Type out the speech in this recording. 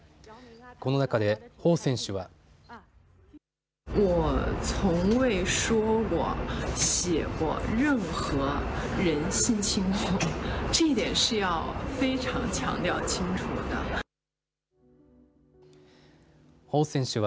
この中で彭選手は。